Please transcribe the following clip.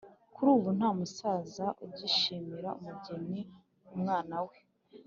kuri ubu ntamusaza ugishimira umugeni umwana we